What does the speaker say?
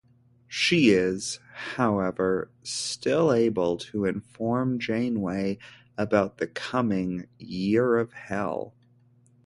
She is, however, still able to inform Janeway about the coming "Year of Hell".